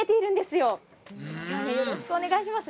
よろしくお願いします。